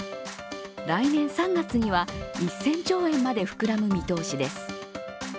来年３月には１０００兆円まで膨らむ見通しです。